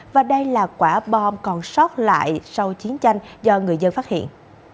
và đây là quả bom còn sót lại sau chiến tranh do người dân phát hiện